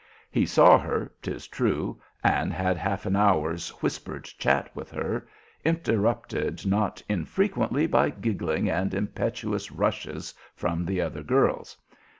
He saw her, 'tis true, and had half an hour's whispered chat with her, interrupted not infrequently by giggling and impetuous rushes from the other girls.